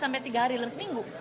sampai tiga hari dalam seminggu